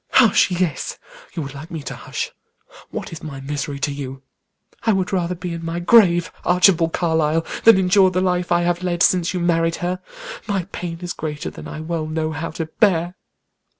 "Hush, yes! You would like me to hush; what is my misery to you? I would rather be in my grave, Archibald Carlyle, than endure the life I have led since you married her. My pain is greater than I well know how to bear."